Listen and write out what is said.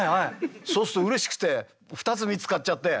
そうするとうれしくて２つ３つ買っちゃって。